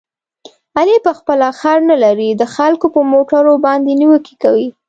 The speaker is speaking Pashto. علي په خپله خر نه لري، د خلکو په موټرو باندې نیوکې کوي.